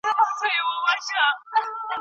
قرآن کريم ئې واضحوونکی او څرګندوونکی کتاب وباله.